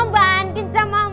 bandit sama mas